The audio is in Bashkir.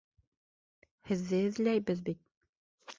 Һеҙҙе эҙләйбеҙ бит!